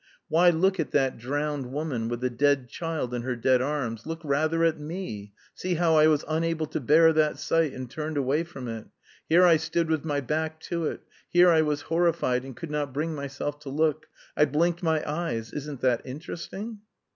Why look at that drowned woman with the dead child in her dead arms? Look rather at me, see how I was unable to bear that sight and turned away from it. Here I stood with my back to it; here I was horrified and could not bring myself to look; I blinked my eyes isn't that interesting?"